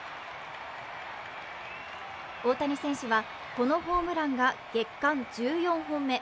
大谷選手は、このホームランが月間１４本目。